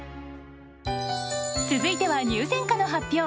続いては入選歌の発表。